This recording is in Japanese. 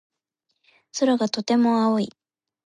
空がとても青い。